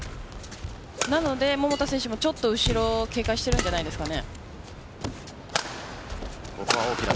なので桃田選手も後ろを警戒してるんじゃないですかね。